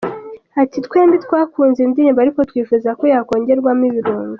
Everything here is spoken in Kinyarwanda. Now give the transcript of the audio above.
Ati “Twembi twakunze indirimbo ariko twifuza ko yakongerwamo ibirungo.